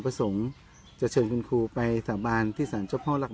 ประสงค์จะเชิญคุณครูไปสาบานที่สารเจ้าพ่อหลัก